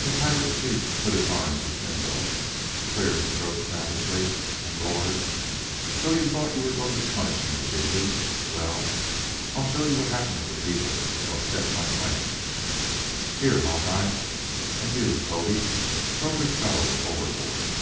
The pirate chief put his arms akimbo, cleared his throat savagely, and roared, "So you thought you were going to punish me, did you! Well, I'll show you what happens to people who upset my plans. Here, Hawk Eye, and you, Toby, throw this fellow overboard."